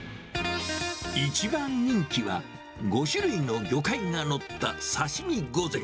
一番人気は、５種類の魚介が載った刺身御膳。